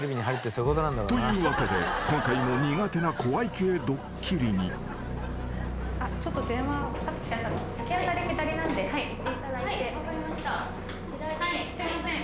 ［というわけで今回も苦手な怖い系ドッキリに］行っていただいて。